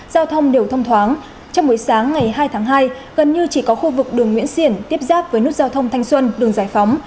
giao thông đều thông thoáng trong buổi sáng ngày hai tháng hai gần như chỉ có khu vực đường nguyễn xiển tiếp giáp với nút giao thông thanh xuân đường giải phóng